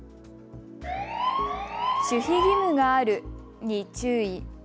守秘義務があるに注意。